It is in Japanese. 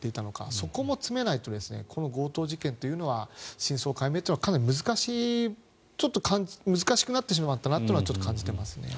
そこも詰めないとこの強盗事件というのは真相解明はかなり難しいちょっと難しくなってしまったなとはちょっと感じていますね。